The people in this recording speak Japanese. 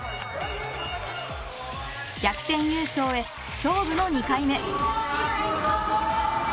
逆転優勝へ勝負の２回目。